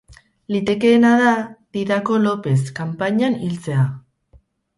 Litekeena da Didako Lopez kanpainan hiltzea.